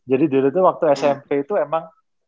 jadi dulu itu waktu smp itu emang